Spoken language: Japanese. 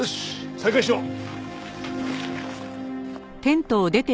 再開しよう。